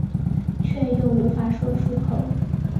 却又无法说出口